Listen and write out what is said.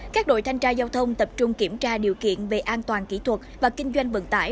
các đội thanh tra giao thông tập trung kiểm tra điều kiện về an toàn kỹ thuật và kinh doanh vận tải